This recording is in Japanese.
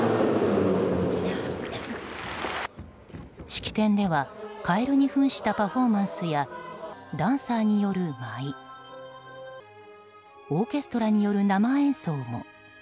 式典ではカエルにふんしたパフォーマンスやダンサーによる舞いオーケストラによる生演奏も。